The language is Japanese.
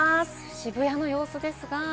渋谷の様子ですが。